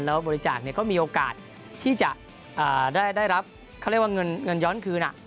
แล้วบริจาคก็มีโอกาสที่จะได้รับเขาเรียกว่าเงินย้อนคืน